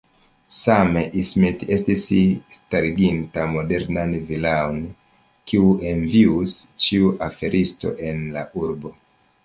Same, Ismet estis stariginta modernan vilaon, kiun envius ĉiu aferisto en la urbo.